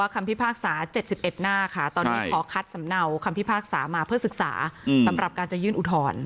คำพิพากษา๗๑หน้าค่ะตอนนี้ขอคัดสำเนาคำพิพากษามาเพื่อศึกษาสำหรับการจะยื่นอุทธรณ์